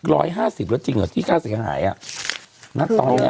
ร้อยห้าสิบแล้วจริงเหรอที่๙๐หายน่ะตอนนี้